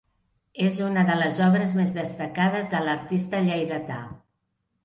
És una de les obres més destacades de l'artista lleidatà.